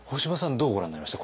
どうご覧になりました？